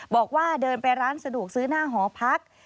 บอกว่าเดินไปร้านสะดวกซื้อหน้าหอพัก